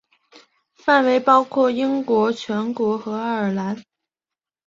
范围包括英国全国和爱尔兰。